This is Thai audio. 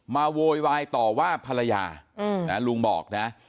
โวยวายต่อว่าภรรยาลุงบอกนะ